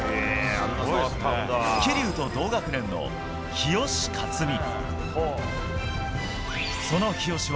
桐生と同学年の日吉克実。